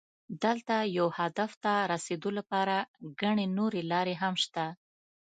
دلته یو هدف ته رسېدو لپاره ګڼې نورې لارې هم شته.